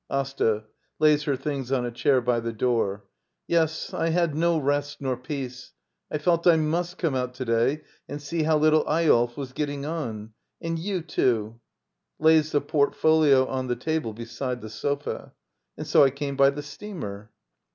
Asta. [Lays her things on a chair by the door.] Yes, I had no rest nor peace. I felt I must come out to day and see how little Eyolf was getting on — and you, too. [Lays the portfolio on the table beside the sofa.] And so I came by the steamer.